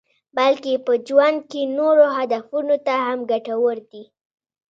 بلکې په ژوند کې نورو هدفونو ته هم ګټور دي.